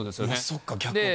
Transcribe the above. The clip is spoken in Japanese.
そっか、逆に。